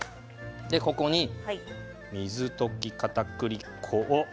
ここに水溶きかたくり粉を。